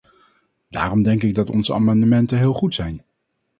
Daarom denk ik dat onze amendementen heel goed zijn.